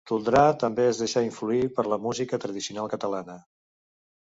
Toldrà també es deixarà influir per la música tradicional catalana.